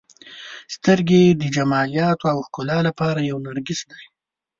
• سترګې د جمالیاتو او ښکلا لپاره یو نرګس دی.